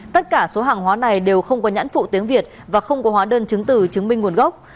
tất cả số hàng hóa này đều không có nhãn phụ tiếng việt và không có hóa đơn chứng tử chứng minh nguồn gốc